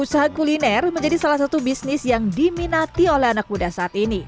usaha kuliner menjadi salah satu bisnis yang diminati oleh anak muda saat ini